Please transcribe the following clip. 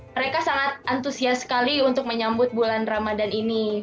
mereka sangat antusias sekali untuk menyambut bulan ramadhan ini